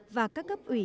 và các cấp ủy